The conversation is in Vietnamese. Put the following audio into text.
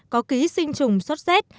có ký sinh trùng xuất rét